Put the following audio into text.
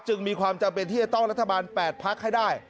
มีความจำเป็นที่จะต้องรัฐบาล๘พักให้ได้